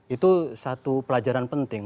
itu satu pelajaran penting